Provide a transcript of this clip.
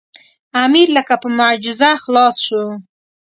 امیر لکه په معجزه خلاص شو.